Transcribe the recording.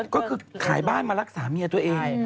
ก็คือขายบ้านมารักษาเมียตัวเอง